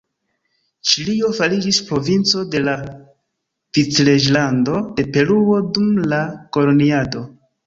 Ĉilio fariĝis provinco de la Vicreĝlando de Peruo dum la koloniado.